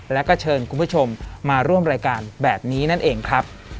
แล้วก็เชิญคุณผู้ชมมาร่วมรายการแบบนี้นั่นเองครับ